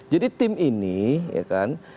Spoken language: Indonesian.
jadi tim ini ya kan